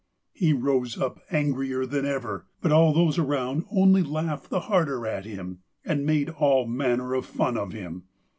He rose up angrier than ever, but all those around only laughed the harder at him, and made all manner of fun of him.